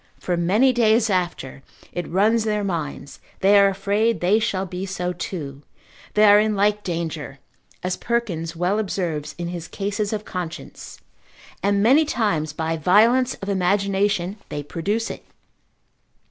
for many days after it runs in their minds, they are afraid they shall be so too, they are in like danger, as Perkins c. 12. sc. 12. well observes in his Cases of Conscience and many times by violence of imagination they produce it.